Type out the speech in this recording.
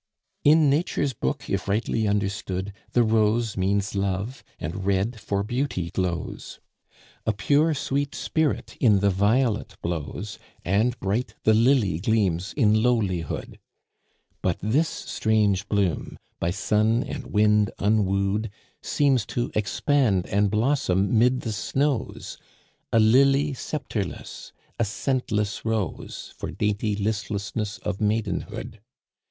In Nature's book, if rightly understood, The rose means love, and red for beauty glows; A pure, sweet spirit in the violet blows, And bright the lily gleams in lowlihood. But this strange bloom, by sun and wind unwooed, Seems to expand and blossom 'mid the snows, A lily sceptreless, a scentless rose, For dainty listlessness of maidenhood.